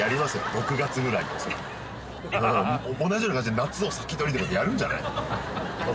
６月ぐらいにおそらく同じような感じで「夏を先取り」とかってやるんじゃない？